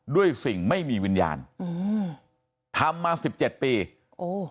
ด้วยสิ่งไม่มีวิญญาณอืมทำมาสิบเจ็ดปีโอ้